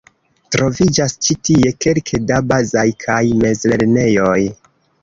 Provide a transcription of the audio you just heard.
Troviĝas ĉi tie kelke da bazaj kaj mezlernejoj.